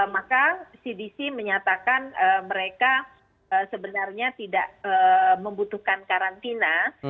maka cdc menyatakan mereka sebenarnya tidak membutuhkan karantina